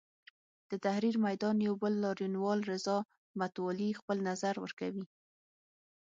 د تحریر میدان یو بل لاریونوال رضا متوالي خپل نظر ورکوي.